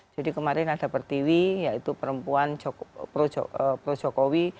jadi kemarin ada pertiwi yaitu perempuan pro jokowi